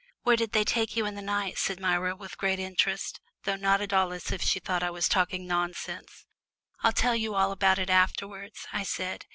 "Where did they take you to in the night?" said Myra with great interest, though not at all as if she thought I was talking nonsense. "I'll tell you all about it afterwards," I said.